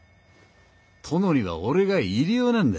殿には俺が入り用なんだ。